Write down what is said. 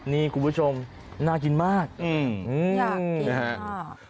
นี่คุณผู้ชมน่ากินมากอืมอืมอยากกินมาก